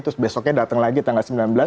terus besoknya datang lagi tanggal sembilan belas